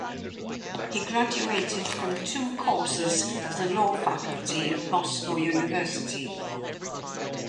He graduated from two courses of the Law Faculty of Moscow University.